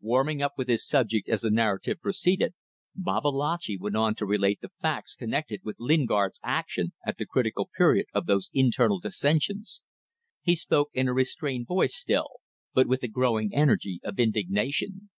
Warming up with his subject as the narrative proceeded, Babalatchi went on to relate the facts connected with Lingard's action at the critical period of those internal dissensions. He spoke in a restrained voice still, but with a growing energy of indignation.